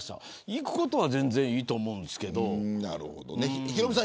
行くことは全然いいと思うんですけど。